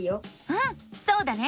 うんそうだね。